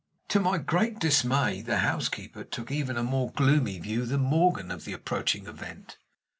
To my great dismay, the housekeeper took even a more gloomy view than Morgan of the approaching event.